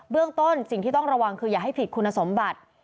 เรื่องต้นสิ่งที่ต้องระวังคืออย่าให้ผิดคุณสมบัติ